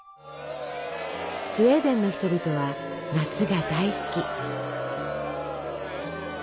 スウェーデンの人々は夏が大好き！